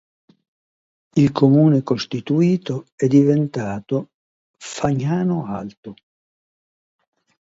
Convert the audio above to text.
Il comune costituito è diventato "Fagnano Alto".